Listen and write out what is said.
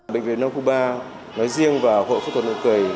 bệnh viện nông cú ba nói riêng và hội phẫu thuật nội cầy